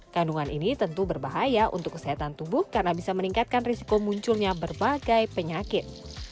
kandungan ini tentu berbahaya untuk kesehatan tubuh karena bisa meningkatkan risiko munculnya berbagai penyakit